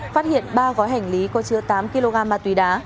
phát hiện ba gói hành lý có chứa tám kg ma túy đá